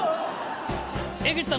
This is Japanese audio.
江口さん